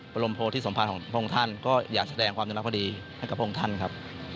รมโพธิสมพันธ์ของพระองค์ท่านก็อยากแสดงความจงรักภดีให้กับพระองค์ท่านครับ